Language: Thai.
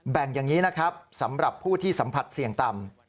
อย่างนี้นะครับสำหรับผู้ที่สัมผัสเสี่ยงต่ำ